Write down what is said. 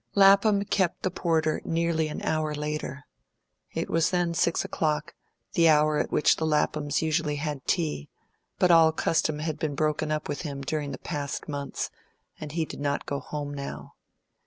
Lapham kept the porter nearly an hour later. It was then six o'clock, the hour at which the Laphams usually had tea; but all custom had been broken up with him during the past months, and he did not go home now.